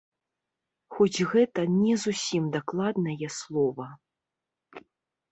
Хоць гэта не зусім дакладнае слова.